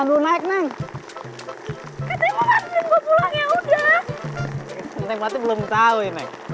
neng berarti belum tau ya neng